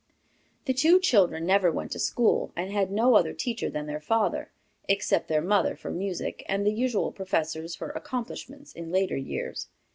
"The two children never went to school, and had no other teacher than their father, except their mother for music, and the usual professors for 'accomplishments' in later years.